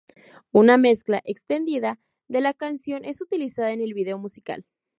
Una mezcla extendida de la canción es utilizada en el video musical.